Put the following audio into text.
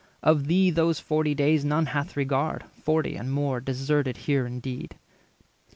Of thee those forty days none hath regard, Forty and more deserted here indeed."